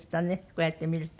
こうやって見ると。